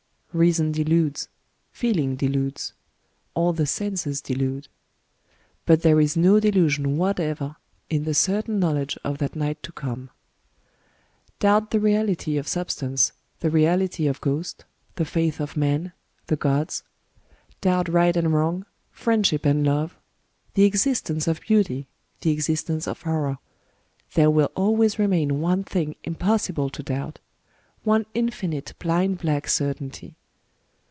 Reason deludes ; feeling deludes; all the senses delude. But there is no delusion whatever in the certain knowledge of that night to come. Doubt the reality of substance, the reality of ghost, the faiths of men, the gods ;— doubt right 227 Digitized byVnOOQlC 228 IN THE DEAD OF THE NIGHT and wrong, friendship and love, the existence of beauty, the existence of horror ;— there will always remain one thing impossible to doubt, — one in finite blind black certainty.